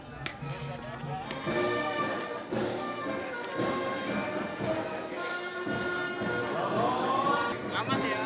sebagai tim yang akan bertugas pada upacara penurunan bendera